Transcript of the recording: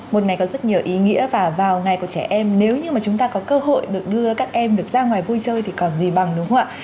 một ngày có rất nhiều ý nghĩa và vào ngày của trẻ em nếu như chúng ta có cơ hội được đưa các em ra ngoài vui chơi thì còn gì bằng đúng không ạ